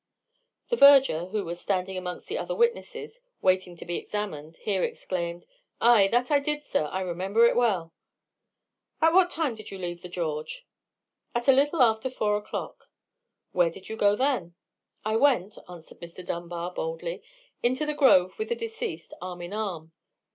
The verger, who was standing amongst the other witnesses, waiting to be examined, here exclaimed,— "Ay, that I did, sir; I remember it well." "At what time did you leave the George?" "At a little after four o'clock." "Where did you go then?" "I went," answered Mr. Dunbar, boldly, "into the grove with the deceased, arm in arm.